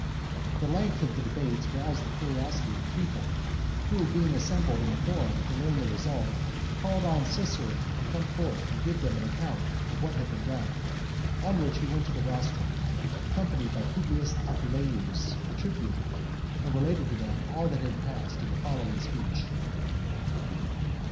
The length of the debates roused the curiosity of the people, who, being assembled in the forum to learn the result, called on Cicero to come forth and give them an account of what had been done on which he went to the rostra, accompanied by Publius Appuleius the tribune, and related to them all that had passed in the following speech: I.